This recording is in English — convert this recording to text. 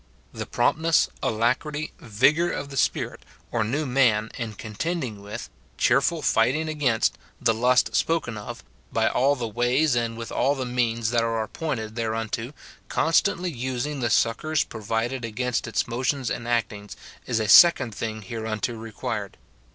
— The promptness^ alacrity, vigour of the Spirit, or new man, in contending with, cheerful fighting against, the lust spoken of, by all the ways and with all the means that are appointed there unto, constantly using the succours provided against its motions and actings, is a second thing hereunto required.